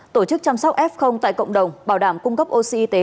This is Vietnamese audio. tổ chức chăm sóc f tại cộng đồng bảo đảm cung cấp oxy y tế